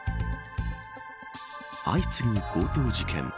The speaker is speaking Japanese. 相次ぐ強盗事件。